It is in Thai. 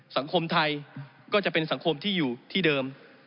สังคมไทยก็จะเป็นสังคมที่อยู่ที่เดิม